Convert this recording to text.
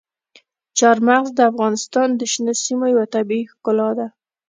چار مغز د افغانستان د شنو سیمو یوه طبیعي ښکلا ده.